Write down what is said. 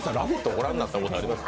ご覧になったことありますか？